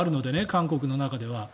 韓国の中では。